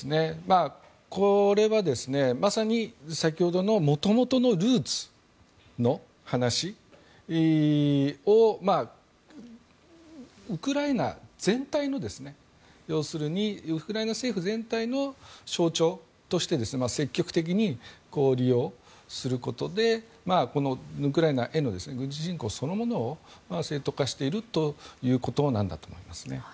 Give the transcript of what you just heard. これは、まさに先ほどのもともとのルーツの話をウクライナ政府全体の象徴として積極的に利用をすることでウクライナへの軍事侵攻そのものを正当化しているということだと思いますね。